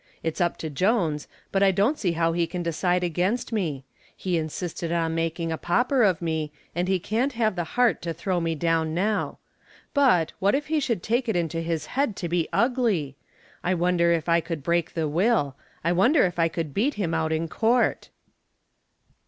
It's up to Jones, but I don't see how he can decide against me. He insisted on making a pauper of me and he can't have the heart to throw me down now. But, what if he should take it into his head to be ugly! I wonder if I could break the will I wonder if I could beat him out in court."